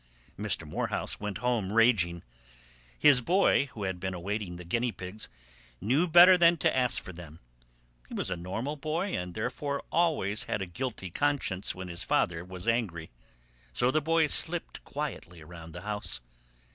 Mr. Morehouse went home raging. His boy, who had been awaiting the guinea pigs, knew better than to ask him for them. He was a normal boy and therefore always had a guilty conscience when his father was angry. So the boy slipped quietly around the house.